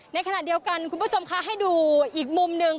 ในขณะเดียวกันคุณผู้ชมคะให้ดูอีกมุมหนึ่ง